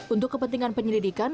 untuk kepentingan penyelidikan